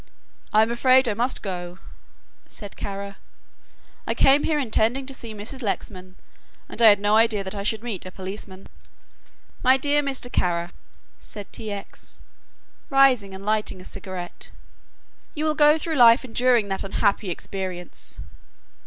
"I am afraid I must go," said Kara. "I came here intending to see Mrs. Lexman, and I had no idea that I should meet a policeman." "My dear Mr. Kara," said T. X., rising and lighting a cigarette, "you will go through life enduring that unhappy experience."